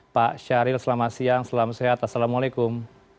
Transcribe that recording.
pak syahril selamat siang selamat sehat assalamualaikum